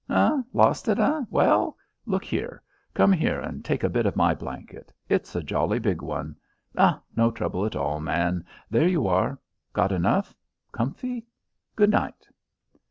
"Eh? Lost it, eh? Well, look here; come here and take a bit of my blanket. It's a jolly big one. Oh, no trouble at all, man. There you are. Got enough? Comfy? Good night."